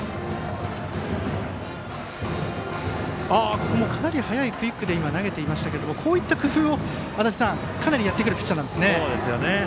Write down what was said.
ここもかなり速いクイックで投げていましたけどもこういった工夫をかなりやってくるピッチャーなんですね。